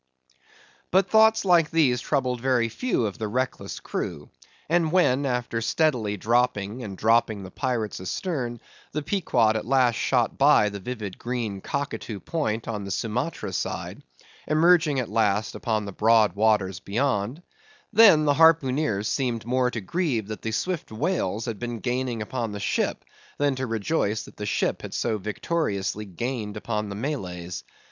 But thoughts like these troubled very few of the reckless crew; and when, after steadily dropping and dropping the pirates astern, the Pequod at last shot by the vivid green Cockatoo Point on the Sumatra side, emerging at last upon the broad waters beyond; then, the harpooneers seemed more to grieve that the swift whales had been gaining upon the ship, than to rejoice that the ship had so victoriously gained upon the Malays.